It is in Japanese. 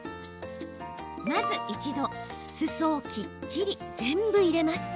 まず一度、裾をきっちり全部入れます。